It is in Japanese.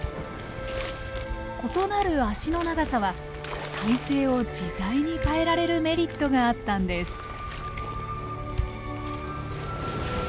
異なる足の長さは体勢を自在に変えられるメリットがあったんです。